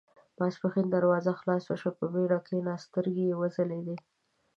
ماسپښين دروازه خلاصه شوه، په بېړه کېناست، سترګې يې وځلېدې.